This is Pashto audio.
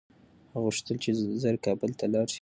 هغه غوښتل چي ژر کابل ته لاړ شي.